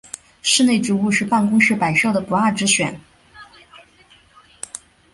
室内植物是办公室摆设的不二之选。